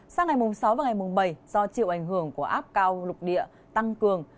sang ngày sáu và ngày bảy do triệu ảnh hưởng của áp cao lục địa tăng cường